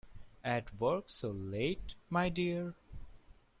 At work so late, my dear?